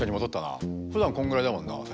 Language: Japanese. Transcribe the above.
ふだんこんぐらいだもんな確か。